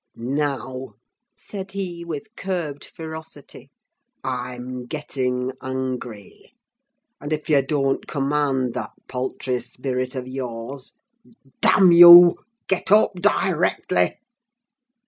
"Now," said he, with curbed ferocity, "I'm getting angry—and if you don't command that paltry spirit of yours—damn you! get up directly!"